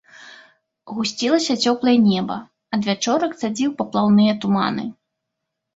Гусцілася цёплае неба, адвячорак цадзіў паплаўныя туманы.